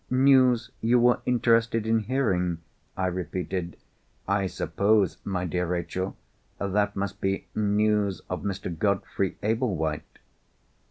"News you were interested in hearing?" I repeated. "I suppose, my dear Rachel, that must be news of Mr. Godfrey Ablewhite?"